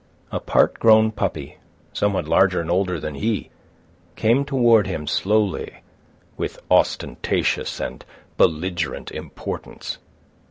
A part grown puppy, somewhat larger and older than he, came toward him slowly, with ostentatious and belligerent importance.